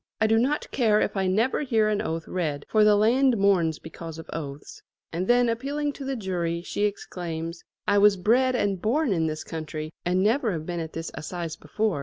"I do not care if I never hear an oath read, for the land mourns because of oaths." And then appealing to the jury she exclaims: "I was bred and born in this county and never have been at this assize before.